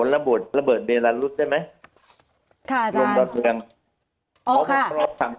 ระบวนระเบิดเบรลลัดรุษใช่ไหมค่ะอาจารย์ร่วมหลอดเรืองอ๋อค่ะ